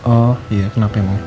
oh iya kenapa emang